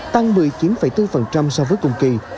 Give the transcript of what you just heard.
tăng một mươi chín bốn so với cùng kỳ